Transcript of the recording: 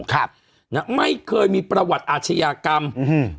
ครับนะฮะไม่เคยมีประวัติอาชญากรรมอืม